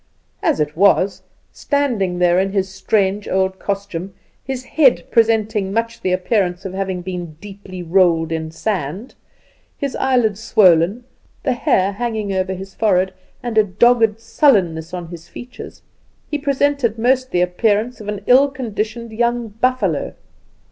As it was, standing there in his strange old costume, his head presenting much the appearance of having been deeply rolled in sand, his eyelids swollen, the hair hanging over his forehead, and a dogged sullenness on his features, he presented most the appearance of an ill conditioned young buffalo.